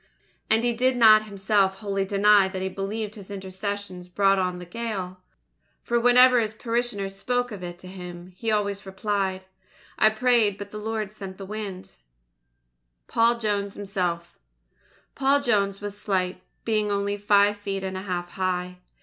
And he did not himself wholly deny that he believed his intercessions brought on the gale, for whenever his parishioners spoke of it to him, he always replied: "I prayed, but the Lord sent the wind." J. T. Headley (Arranged) PAUL JONES HIMSELF Paul Jones was slight, being only five feet and a half high.